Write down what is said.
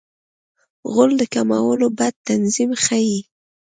غول د کولمو بد تنظیم ښيي.